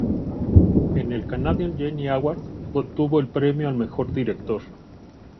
En el Canadian Genie Awards obtuvo el premio al mejor director.